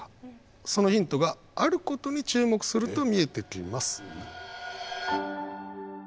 そのヒントがあることに注目すると見えてきます。